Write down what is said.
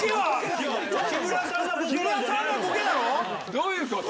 どういうこと？